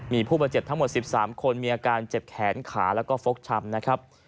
มีผู้เป็นเจ็บทั้งหมด๑๓คนมีอาการเจ็บแขนขาและก็ฟกชำ